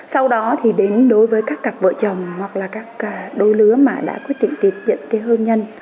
sau đó thì đến đối với các cặp vợ chồng hoặc là các đôi lứa mà đã quyết định tiết dẫn tiền hôn nhân